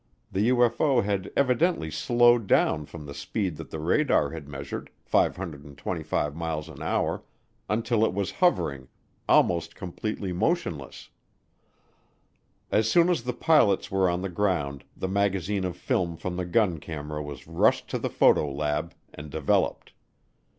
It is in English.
The UFO had evidently slowed down from the speed that the radar had measured, 525 miles an hour, until it was hovering almost completely motionless. As soon as the pilots were on the ground, the magazine of film from the gun camera was rushed to the photo lab and developed.